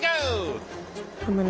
頑張れ。